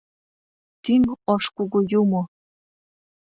— Тӱҥ Ош Кугу Юмо!